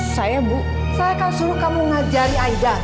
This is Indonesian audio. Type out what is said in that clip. sampai jumpa di video selanjutnya